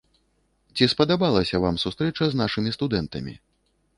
Ці спадабалася вам сустрэча з нашымі студэнтамі?